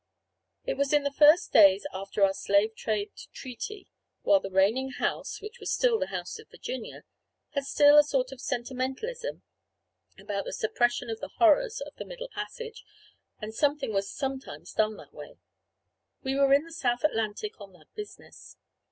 It was in the first days after our Slave Trade treaty, while the Reigning House, which was still the House of Virginia, had still a sort of sentimentalism about the suppression of the horrors of the Middle Passage, and something was sometimes done that way. We were in the South Atlantic on that business.